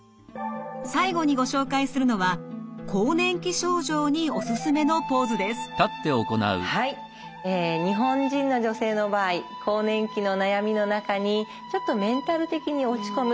最後にご紹介するのははいえ日本人の女性の場合更年期の悩みの中にちょっとメンタル的に落ち込む